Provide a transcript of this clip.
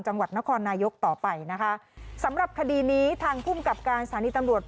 จังหวัดนครนายกต่อไปนะคะสำหรับคดีนี้ทางภูมิกับการสถานีตำรวจ